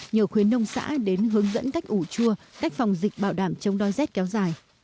nhờ khuyến nông xã đến hướng dẫn cách ủ chua cách phòng dịch bảo đảm chống đói rét kéo dài